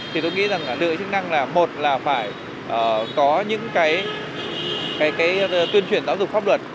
thì tôi nghĩ là năng lượng chức năng là một là phải có những cái tuyên truyền giáo dục pháp luật